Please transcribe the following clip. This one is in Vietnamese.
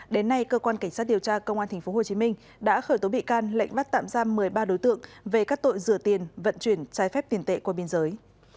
đến nay cơ quan cảnh sát điều tra công an tp hcm đã khởi tố bị can lệnh bắt tạm giam một mươi ba đối tượng về các tội rửa tiền vận chuyển trái phép tiền tệ qua biên giới